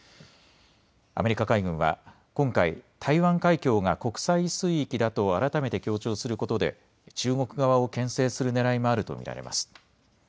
アメリカ海軍は今回、台湾海峡が国際水域だと改めて強調することで中国側をけん制するねらいもあると見られます。